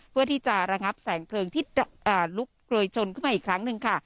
เพื่อที่จะระงับแสงเพลิงที่ลุกโรยชนขึ้นมาอีกครั้งหนึ่งค่ะ